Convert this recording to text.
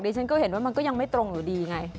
เดี๋ยวฉันก็เห็นยังไม่ตรงหรือดีไง